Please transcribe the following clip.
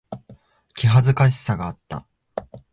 気恥ずかしさがあった。